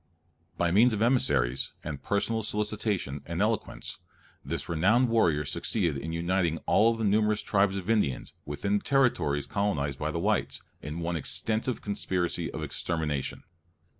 By means of emissaries, and personal solicitation, and eloquence, this renowned warrior succeeded in uniting all the numerous tribes of Indians within the territories colonized by the whites, in one extensive conspiracy of extermination.